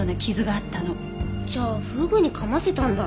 じゃあフグに噛ませたんだ。